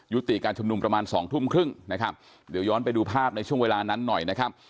การชุมนุมประมาณสองทุ่มครึ่งนะครับเดี๋ยวย้อนไปดูภาพในช่วงเวลานั้นหน่อยนะครับ